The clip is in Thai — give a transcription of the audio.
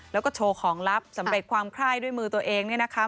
แล้วก็โชว์ของลับสำเร็จความไคร้ด้วยมือตัวเองเนี่ยนะคะ